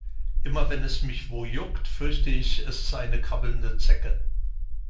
Immer wenn es mich wo juckt, fürchte ich, es ist eine krabbelnde Zecke.